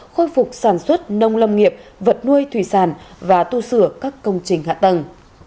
khôi phục sản xuất nông lâm nghiệp vật nuôi thủy sản và tu sửa các công trình hạ tầng